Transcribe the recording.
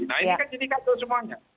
nah ini kan jadi kacau semuanya